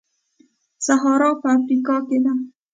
سهارا په افریقا کې ده.